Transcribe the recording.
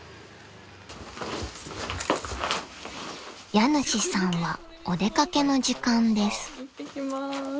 ［家主さんはお出掛けの時間です］